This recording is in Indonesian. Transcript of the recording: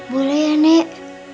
boleh ya nek